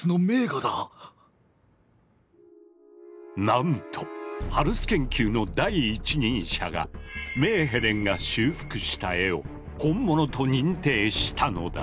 なんとハルス研究の第一人者がメーヘレンが修復した絵を「本物」と認定したのだ！